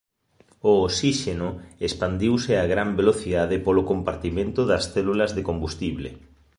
O osíxeno expandiuse a gran velocidade polo compartimento das células de combustible.